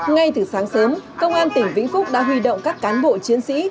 ngay từ sáng sớm công an tỉnh vĩnh phúc đã huy động các cán bộ chiến sĩ